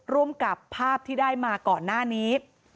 ร่วมกับภาพที่ได้มาก่อนหน้านี้